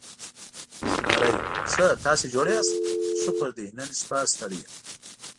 زمری: ښه، تاسې جوړ یاست؟ شکر دی، نن شپه ستړی یم.